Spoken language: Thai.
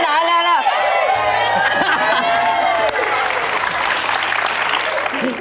ไหล